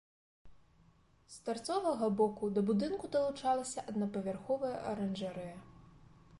З тарцовага боку да будынку далучалася аднапавярховая аранжарэя.